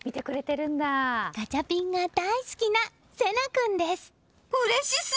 ガチャピンが大好きなせな君です。